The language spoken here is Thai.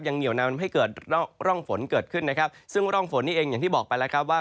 เหนียวนำให้เกิดร่องฝนเกิดขึ้นนะครับซึ่งร่องฝนนี่เองอย่างที่บอกไปแล้วครับว่า